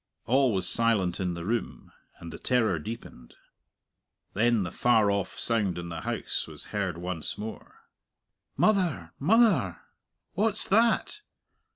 All was silent in the room, and the terror deepened. Then the far off sound in the house was heard once more. "Mother mother, what's that?"